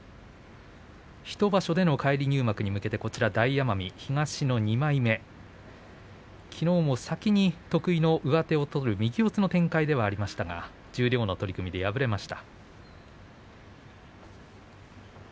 １場所での返り入幕に向けて大奄美東の２枚目きのうも先に得意の上手を取る右四つの展開ではありましたが十両の取組で敗れました。